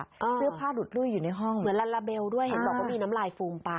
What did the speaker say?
ซื้อผ้าดูดลุ้ยอยู่ในห้องเหมือนระเบลด้วยเห็นหรือเปล่ามีน้ำลายฟูมปลา